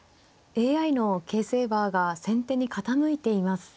ＡＩの形勢バーが先手に傾いています。